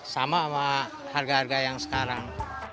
sama sama harga harga yang sekarang